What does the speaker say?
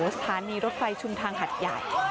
สถานีรถไฟชุมทางหัดใหญ่